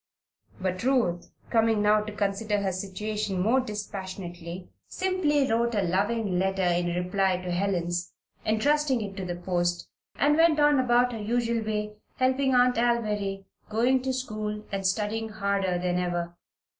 But Ruth, coming now to consider her situation more dispassionately, simply wrote a loving letter in reply to Helen's, entrusting it to the post, and went on upon her usual way, helping Aunt Alviry, going to school, and studying harder than ever.